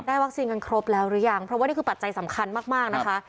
วัคซีนกันครบแล้วหรือยังเพราะว่านี่คือปัจจัยสำคัญมากมากนะคะ